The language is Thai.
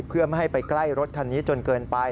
เพื่อไม่ให้ไปใกล้รถคันนี้จนเกินไป